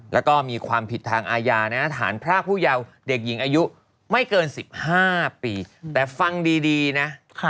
แล้วก็มีความผิดทางอาญานะฐานพรากผู้เยาว์เด็กหญิงอายุไม่เกิน๑๕ปีแต่ฟังดีนะ